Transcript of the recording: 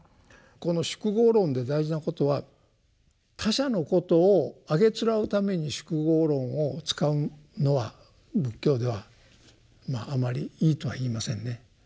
この「宿業論」で大事なことは他者のことをあげつらうために「宿業論」を使うのは仏教ではあまりいいとは言いませんね。